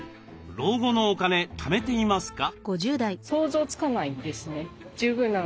老後のお金ためていますか？